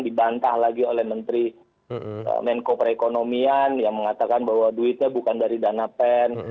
dibantah lagi oleh menteri menko perekonomian yang mengatakan bahwa duitnya bukan dari dana pen